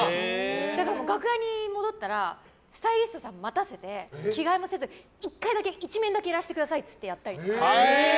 だから、楽屋に戻ったらスタイリストさんを待たせて着替えもせずに１回だけ１面だけやらせてくださいって言ってやったりとか。